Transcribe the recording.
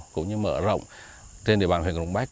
cũng như mở rộng trên địa bàn huyện lục bách